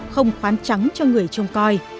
không khoán trắng cho người trông coi